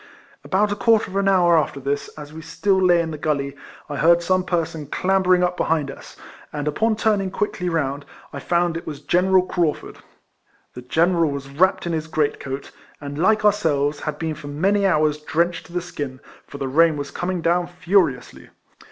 About a quarter of au liour after this, as we still lay in the gully, I heard some person clambering up behind us, and, upon turning quickly round, I found it was General Craufurd. The General was wrapped in his great coat, and, like ourselves, had been for many hours drenched to the skin, for the rain was coming down furiously.